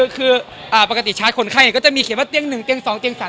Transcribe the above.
คือปกติชาร์จคนไข้เนี่ยก็จะมีเขียนว่าเตียง๑เตียง๒เตียง๓เตียง๔นะครับ